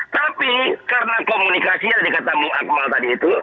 tapi karena komunikasinya tadi kata bung akmal tadi itu